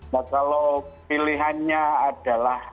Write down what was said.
nah kalau pilihannya adalah